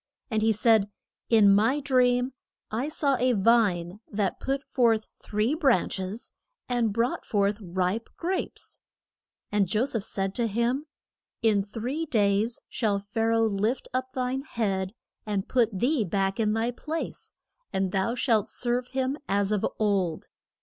And he said, In my dream I saw a vine, that put forth three branch es and brought forth ripe grapes. And Jo seph said to him, In three days shall Pha ra oh lift up thine head, and put thee back in thy place, and thou shalt serve him as of old.